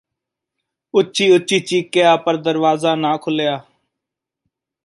ਉੱਚੀ ਉੱਚੀ ਚੀਕਿਆ ਪਰ ਦਰਵਾਜ਼ਾ ਨਾ ਖੁੱਲ੍ਹਿਆ